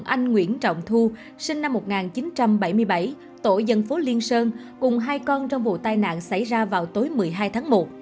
anh nguyễn trọng thu sinh năm một nghìn chín trăm bảy mươi bảy tổ dân phố liên sơn cùng hai con trong vụ tai nạn xảy ra vào tối một mươi hai tháng một